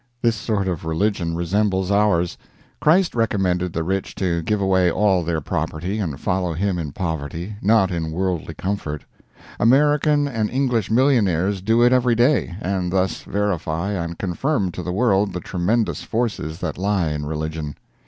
This sort of religion resembles ours. Christ recommended the rich to give away all their property and follow Him in poverty, not in worldly comfort. American and English millionaires do it every day, and thus verify and confirm to the world the tremendous forces that lie in religion.